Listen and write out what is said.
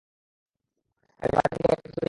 আমি মার্টিনকে একটা হাতুড়ি দিয়ে মারছিলাম।